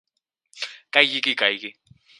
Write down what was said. Caigui qui caigui.